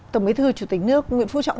tổng bế thư chủ tịch nước nguyễn phú trọng